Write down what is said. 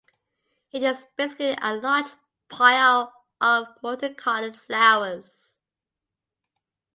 It is basically a large pile of multicolored flowers.